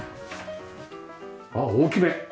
あっ大きめ！